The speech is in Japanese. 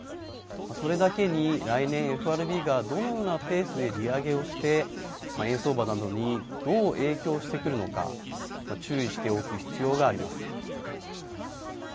それだけに来年、ＦＲＢがどのようなペースで利上げをして、円相場などにどう影響してくるのか、注意しておく必要があります。